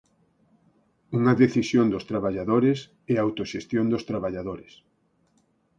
Unha decisión dos traballadores e autoxestión dos traballadores.